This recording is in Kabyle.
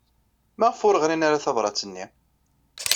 Maɣef ur ɣrin ara tabṛat-nni?